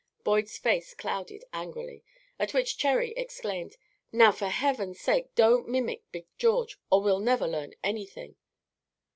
Boyd's face clouded angrily, at which Cherry exclaimed: "Now, for Heaven's sake, don't mimic Big George, or we'll never learn anything!"